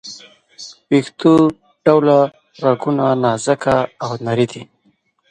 ویښته ډوله رګونه نازکه او نري دي.